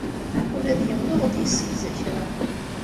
Ula d yiwen ur aɣ-d-yessegza kra.